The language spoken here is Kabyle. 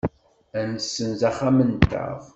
Ad nessenz axxam-nteɣ.